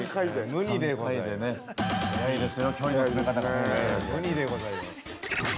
◆無二でございます。